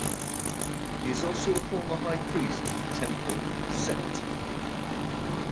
He is also a former High Priest of the Temple of Set.